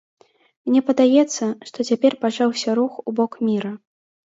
Мне падаецца, што цяпер пачаўся рух у бок міра.